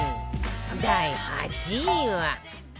第８位は